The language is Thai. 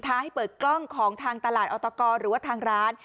ให้เปิดกล้องของทางตลาดออตกหรือว่าทางร้าน